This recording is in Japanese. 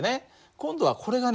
今度はこれがね